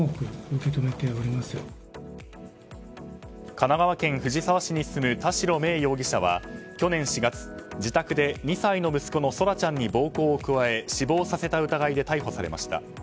神奈川県藤沢市に住む田代芽衣容疑者は去年４月自宅で２歳の息子の空来ちゃんに暴行を加え死亡させた疑いで逮捕されました。